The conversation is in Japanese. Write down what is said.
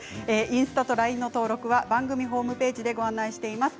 インスタとＬＩＮＥの登録は番組ホームページでご案内しております